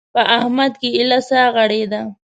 په احمد کې ايله سا غړېده.